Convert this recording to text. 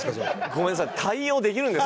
ごめんなさい。